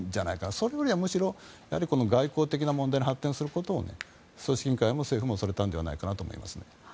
それよりは、むしろ外交的な問題に発展することを組織委員会も政府も恐れたんじゃないかと思います。